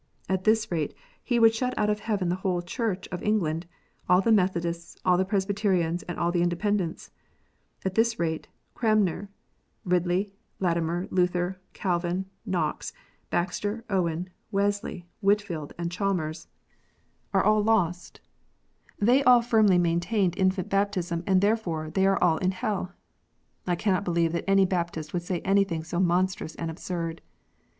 At this rate he would shut out of heaven the whole Church of England, all the Methodists, all the Presbyterians, and all the Independents ! At this rate, Cranmer, Ridley, Latimer, Luther, Calvin, Knox, Baxter, Owen, Wesley, Whitfield, and Chalmers, BAPTISM. 109 are all lost ! They all firmly maintained infant baptism, and therefore they are all in hell! I cannot believe that any Baptist would say anything so monstrous and absurd.